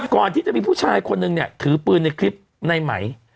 ก่อนที่จะมีผู้ชายคนนึงเนี่ยถือปืนในคลิปในไหม